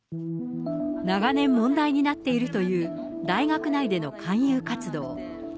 長年問題になっているという、大学内での勧誘活動。